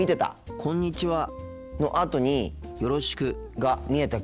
「こんにちは」のあとに「よろしく」が見えた気がする。